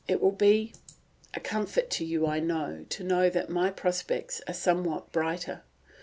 It will be a comfort to you, I know, to know that my prospects are somewhat brighter.